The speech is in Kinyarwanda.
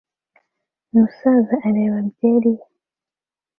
Umusaza areba byeri ye